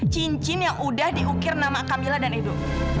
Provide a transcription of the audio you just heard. cincin yang udah diukir nama kamila dan edo